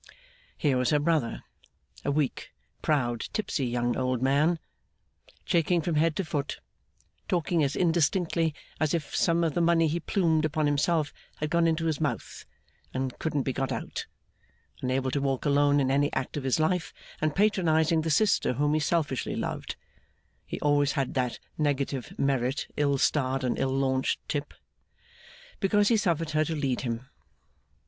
Here was her brother, a weak, proud, tipsy, young old man, shaking from head to foot, talking as indistinctly as if some of the money he plumed himself upon had got into his mouth and couldn't be got out, unable to walk alone in any act of his life, and patronising the sister whom he selfishly loved (he always had that negative merit, ill starred and ill launched Tip!) because he suffered her to lead him.